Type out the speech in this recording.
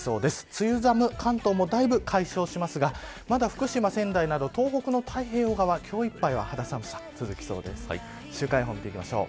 梅雨寒、関東もかなり解消しますが福島仙台など東北の太平洋側今日いっぱいは肌寒さが続きそうです、週間予報です。